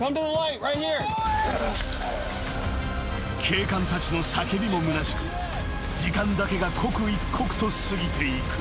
［警官たちの叫びもむなしく時間だけが刻一刻と過ぎていく］